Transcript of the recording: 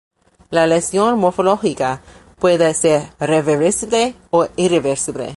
La lesión morfológica puede ser reversible o irreversible.